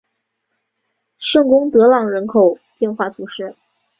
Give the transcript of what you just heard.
圣贡德朗人口变化图示